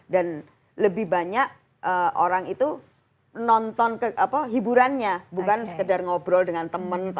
dan lebih banyak orang itu nonton hiburannya bukan sekedar ngobrol dengan teman